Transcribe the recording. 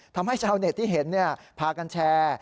ทำให้ชาวเน็ตที่เห็นพากันแชร์